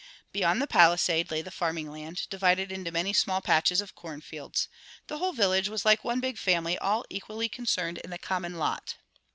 Beyond the palisade lay the farming land, divided into many small patches of corn fields. The whole village was like one big family, all equally concerned in the common lot.